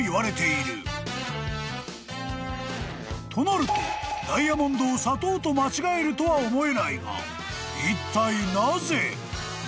［となるとダイヤモンドを砂糖と間違えるとは思えないがいったいなぜ？］